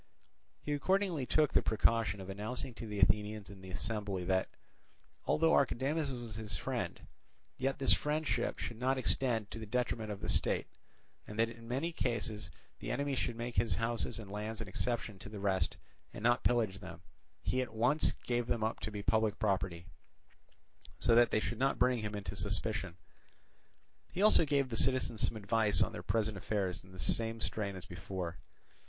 He accordingly took the precaution of announcing to the Athenians in the assembly that, although Archidamus was his friend, yet this friendship should not extend to the detriment of the state, and that in case the enemy should make his houses and lands an exception to the rest and not pillage them, he at once gave them up to be public property, so that they should not bring him into suspicion. He also gave the citizens some advice on their present affairs in the same strain as before.